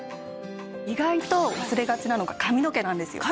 意外と忘れがちなのが髪の毛なんですよ。